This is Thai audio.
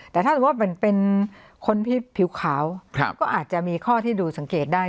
แต่ถ้าสมมุติเป็นคนผิวขาวก็อาจจะมีข้อที่ดูสังเกตได้